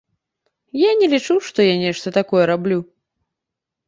Я не лічу, што я нешта такое раблю.